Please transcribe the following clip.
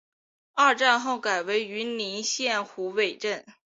二战后改为云林县虎尾镇。